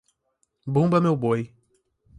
Bumba meu boi